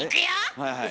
はいはい。